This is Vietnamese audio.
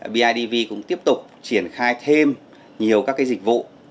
bidv cũng tiếp tục triển khai thêm nhiều các dịch vụ